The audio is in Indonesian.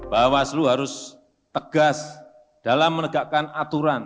bawah selu harus tegas dalam menegakkan aturan